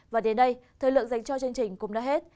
và đến đây thời lượng dành cho chương trình cũng đã hết